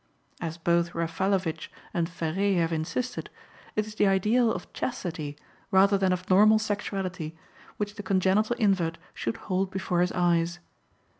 As both Raffalovich and Féré have insisted, it is the ideal of chastity, rather than of normal sexuality, which the congenital invert should hold before his eyes.